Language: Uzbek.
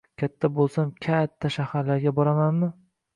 Katta bo‘lsam, ka-a-atta shaharlarga boramanmi?